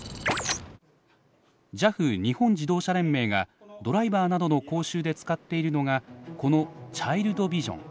ＪＡＦ日本自動車連盟がドライバーなどの講習で使っているのがこのチャイルドビジョン。